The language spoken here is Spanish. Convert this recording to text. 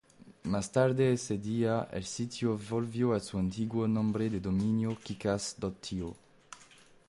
Más tarde ese día, el sitio volvió a su antiguo nombre de dominio kickass.to.